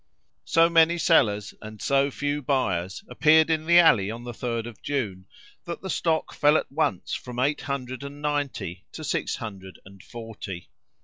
So many sellers, and so few buyers, appeared in the Alley on the 3d of June, that the stock fell at once from eight hundred and ninety to six hundred and forty.